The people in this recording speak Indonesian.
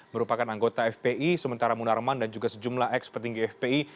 merupakan anggota fpi sementara munarman dan juga sejumlah ex petinggi fpi